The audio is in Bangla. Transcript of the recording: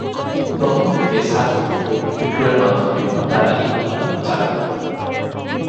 প্রথম দিকে সার্কিট বোর্ড বিক্রয়ের মাধ্যমে তারা এই কোম্পানি চালু করেন।